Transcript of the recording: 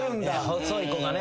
細い子がね。